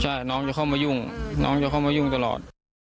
ใช่น้องจะเข้ามายุ่งน้องจะเข้ามายุ่งตลอด